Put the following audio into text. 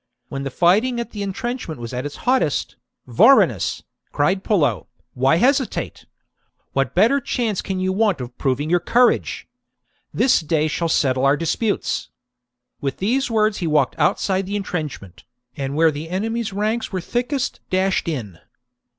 When the fighting at the entrenchment was at its hottest, " Vorenus," cried Pullo, " why hesitate ? What better chance can you want of proving your courage ? This day shall settle our disputes." With these words he walked outside the entrenchment, and where the enemy's ranks were thickest dashed in.